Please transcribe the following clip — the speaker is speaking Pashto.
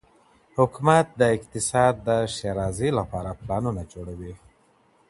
حکومت د اقتصاد د ښېرازۍ لپاره پلانونه جوړوي.